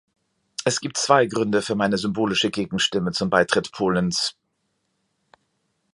Es gibt zwei Gründe für meine symbolische Gegenstimme zum Beitritt Polens.